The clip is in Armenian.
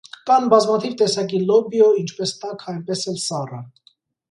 Կան բազմաթիվ տեսակի լոբիո, ինչպես տաք այնպես էլ սառը։